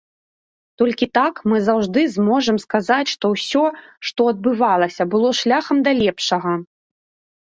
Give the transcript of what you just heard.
Толькі так мы заўжды зможам сказаць, што ўсё, што адбывалася, было шляхам да лепшага.